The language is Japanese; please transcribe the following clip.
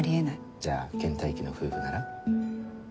じゃあ倦怠期の夫婦なら。